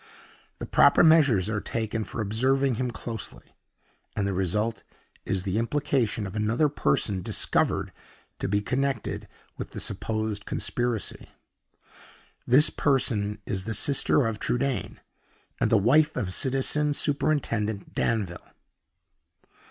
The proper measures are taken for observing him closely, and the result is the implication of another person discovered to be connected with the supposed conspiracy. This person is the sister of Trudaine, and the wife of Citizen Superintendent Danville."